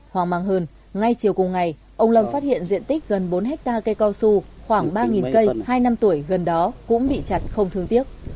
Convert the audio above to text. hoang mang hơn ngay chiều cùng ngày ông lâm phát hiện diện tích gần bốn hectare cây cao su khoảng ba cây hai năm tuổi gần đó cũng bị chặt không thương tiếc